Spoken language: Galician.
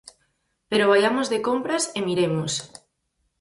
Pero vaiamos de compras e miremos.